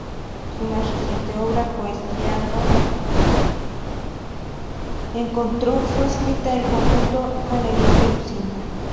Su más reciente obra, "Poesia do encontro" fue escrita en conjunto con Elisa Lucinda.